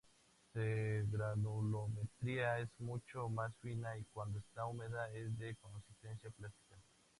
Su granulometría es mucho más fina, y cuando está húmeda es de consistencia plástica.